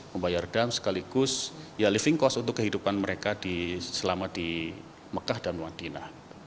membayar dam sekaligus ya living cost untuk kehidupan mereka selama di mekah dan madinah